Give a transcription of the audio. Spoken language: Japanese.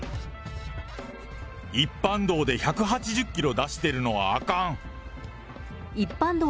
一般道で１８０キロ出してるのはあかん。